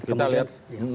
baik kita lihat